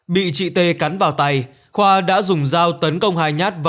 bị chị tê cắn vào tay khoa đã dùng dao tấn công hai nhát vào